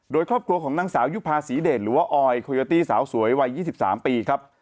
โดยครอบครัวของนางสาวยุภาษีเดชหรือว่าออยโคโยตี้สาวสวยวัย๒๓ปีครับ